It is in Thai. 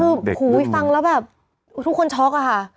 คือฟังแล้วแบบทุกคนช็อกอะค่ะ